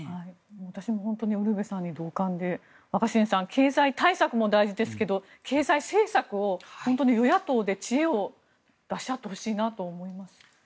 私も本当にウルヴェさんに同感で若新さん経済対策も大事ですけど経済政策を与野党で知恵を出し合ってほしいなと思います。